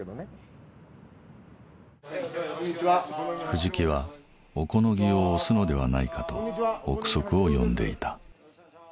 藤木は小此木を推すのではないかと臆測を呼んでいた。